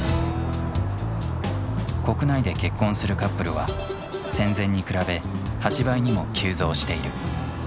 国内で結婚するカップルは戦前に比べ８倍にも急増している。